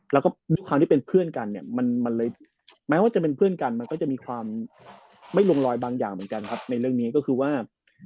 แล้วก็ด้วยความที่เป็นเพื่อนกันเนี่ยมันเลยแม้ว่าจะเป็นเพื่อนกันมันก็จะมีความไม่ลงรอยบางอย่างเหมือนกันครับในเรื่องนี้ก็คือว่า